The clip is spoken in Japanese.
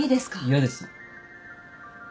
嫌です。